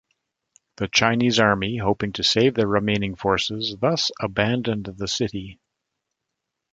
The Chinese Army, hoping to save their remaining forces, thus abandoned the city.